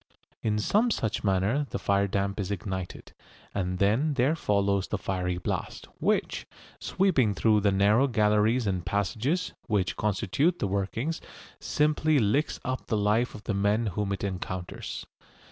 In some such manner the fire damp is ignited, and then there follows the fiery blast, which, sweeping through the narrow galleries and passages which constitute the workings, simply licks up the life of the men whom it encounters.